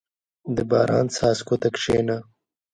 • د باران څاڅکو ته کښېنه.